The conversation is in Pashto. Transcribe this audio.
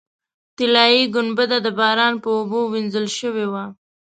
طلایي ګنبده د باران په اوبو وینځل شوې وه.